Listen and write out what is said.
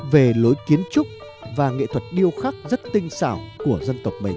về lối kiến trúc và nghệ thuật điêu khắc rất tinh xảo của dân tộc mình